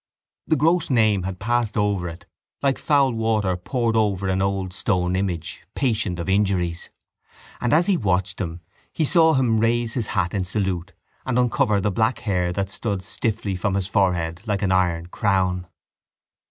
The gross name had passed over it like foul water poured over an old stone image, patient of injuries; and, as he watched him, he saw him raise his hat in salute and uncover the black hair that stood stiffly from his forehead like an iron crown.